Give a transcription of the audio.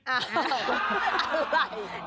อะไร